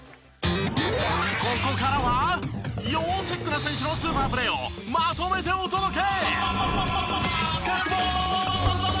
ここからは要チェックな選手のスーパープレーをまとめてお届け！